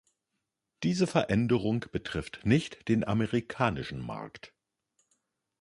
Diese Veränderung betrifft nicht den amerikanischen Markt.